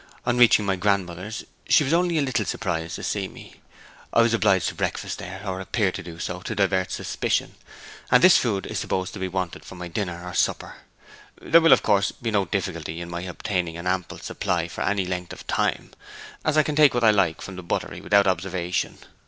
On reaching my grandmother's she was only a little surprised to see me. I was obliged to breakfast there, or appear to do so, to divert suspicion; and this food is supposed to be wanted for my dinner and supper. There will of course be no difficulty in my obtaining an ample supply for any length of time, as I can take what I like from the buttery without observation.